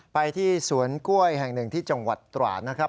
ไปที่สวนกล้วยแห่งหนึ่งที่จังหวัดตราดนะครับ